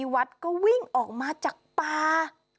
วัดก็วิ่งออกมาจากป่า